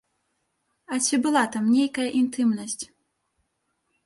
А ці была там нейкая інтымнасць?